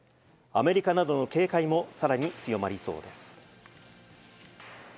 アメリカなどの警戒もさらに強まりそうです。